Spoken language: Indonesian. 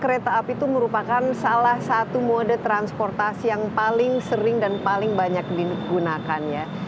kereta api itu merupakan salah satu mode transportasi yang paling sering dan paling banyak digunakan ya